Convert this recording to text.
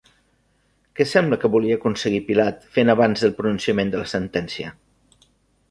Què sembla que volia aconseguir Pilat fent abans del pronunciament de la sentència?